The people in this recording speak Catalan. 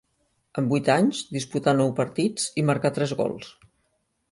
En vuit anys disputà nou partits i marcà tres gols.